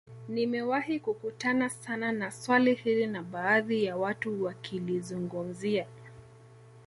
Nimewahi kukutana sana na swali hili na baadhi ya watu wakilizungumzia